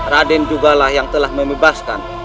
raden juga lah yang telah membebaskan